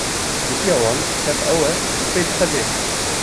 Kurdiya wan tev ew e û diqede.